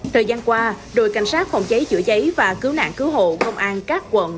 thời gian qua đội cảnh sát phòng cháy chữa cháy và cứu nạn cứu hộ công an các quận